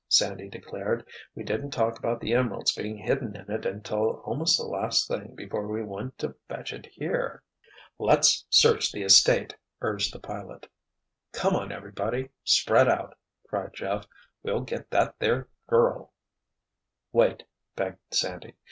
Sandy declared. "We didn't talk about the emeralds being hidden in it until almost the last thing before we went to fetch it here." "Let's search the estate!" urged the pilot. "Come on, everybody—spread out—" cried Jeff. "We'll get that there girl——" "Wait!" begged Sandy.